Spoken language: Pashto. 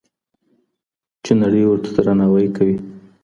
چې نړۍ ورته درناوی کوي.